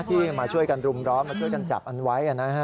ที่มาช่วยกันรุมร้อนมาช่วยกันจับอันไว้